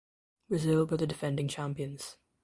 Brazil were the defending champions.